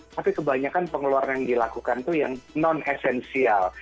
tapi kebanyakan pengeluaran yang dilakukan itu yang non esensial